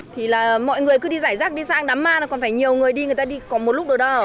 thì là mọi người cứ đi giải rác đi sang đám ma còn phải nhiều người đi người ta đi còn một lúc được đâu